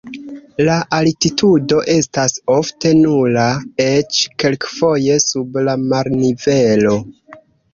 La altitudo estas ofte nula, eĉ kelkfoje sub la marnivelo.